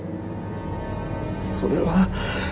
それは。